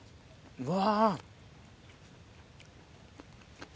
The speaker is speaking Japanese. うわ。